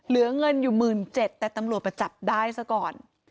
เหลือเงินอยู่๑๗๐๐แต่ตำรวจมาจับได้ซะก่อน